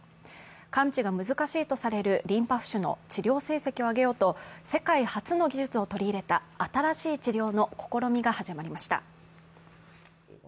完治が難しいとされるリンパ浮腫の治療成績を上げようと世界初の技術を取り入れた新しい治療の試みが始まりました。